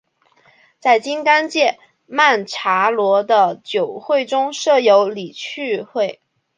在金刚界曼荼罗的九会中设有理趣会。